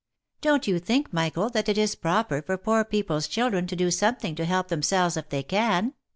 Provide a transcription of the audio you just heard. Don't you think, Michael that it is proper for poor people's children to do something to help themselves if they can